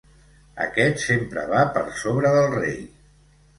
Aquest sempre va per sobre del rei.